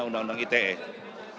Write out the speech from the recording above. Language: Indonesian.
untuk terkait dugaan tindak pidana